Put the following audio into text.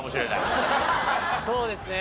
そうですね。